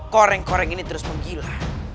koreng koreng ini terus menggila